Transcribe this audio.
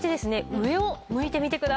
上を向いてみてください。